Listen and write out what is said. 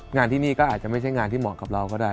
งานที่นี่ก็อาจจะไม่ใช่งานที่เหมาะกับเราก็ได้